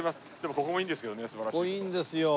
ここいいんですよ。